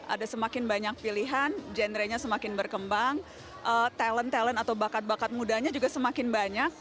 ada semakin banyak pilihan genrenya semakin berkembang talent talent atau bakat bakat mudanya juga semakin banyak